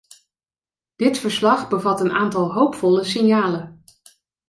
Dit verslag bevat een aantal hoopvolle signalen.